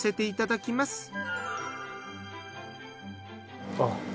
いただきます！